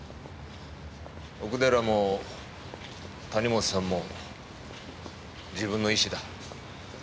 奥寺も谷本さんも自分の意思だ。